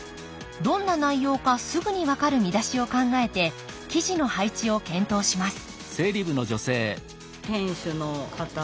どんな内容かすぐに分かる見出しを考えて記事の配置を検討します